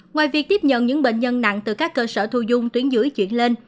ngoài việc tiếp nhận những bệnh nhân nặng từ các cơ sở thu dung tuyến dưới chuyển lên